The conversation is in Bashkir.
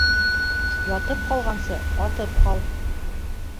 Ятып ҡалғансы, атып ҡал.